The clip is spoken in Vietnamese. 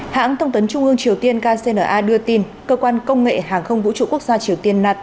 hãng thông tấn trung ương triều tiên kcna đưa tin cơ quan công nghệ hàng không vũ trụ quốc gia triều tiên